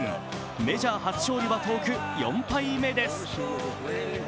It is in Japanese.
メジャー初勝利は遠く４敗目です。